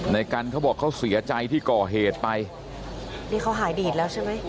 ในกันเขาบอกเขาเสียใจที่ก่อเหตุไปนี่เขาหายดีดแล้วใช่ไหม